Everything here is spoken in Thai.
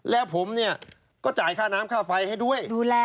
แล้วผมเนี่ยก็จ่ายค่าน้ำค่าไฟให้ด้วย